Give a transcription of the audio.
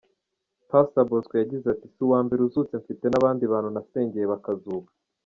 Pastor Bosco yagize ati: "Si uwa mbere uzutse mfite n’abandi bantu nasengeye bakazuka.